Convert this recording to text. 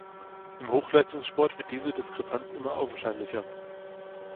Im Hochleistungssport wird diese Diskrepanz immer augenscheinlicher.